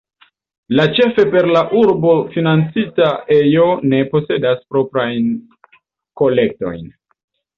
La ĉefe per la urbo financita ejo ne posedas proprajn kolektojn.